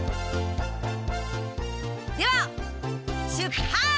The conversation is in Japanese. では出発！